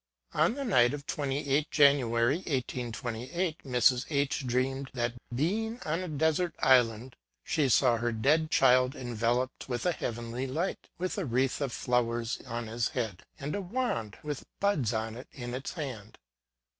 On the night of the 28th January 1828, Mrs. H dreamt that, being on a desert island, she saw her dead child enveloped with a heavenly light, with a wreath of flowers on its head, and a wand, with buds on it, in its hand.